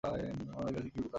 আমাদের কাছে কী লুকাচ্ছো?